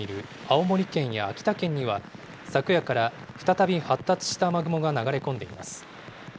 青森県や秋田県には、昨夜から再び発達した雨雲が流れ込んでいます。